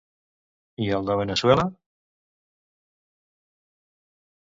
I el de Veneçuela?